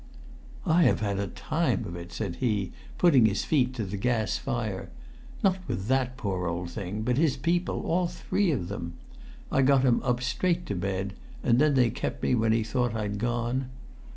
"I have had a time of it!" said he, putting his feet to the gas fire. "Not with that poor old thing, but his people, all three of them! I got him up straight to bed, and then they kept me when he thought I'd gone.